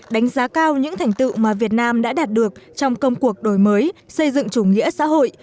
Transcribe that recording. đánh giá cao những thành tựu mà việt nam đã đạt được trong công cuộc đổi mới xây dựng chủ nghĩa xã hội